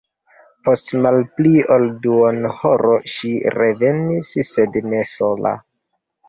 Post malpli ol duonhoro ŝi revenis, sed ne sola.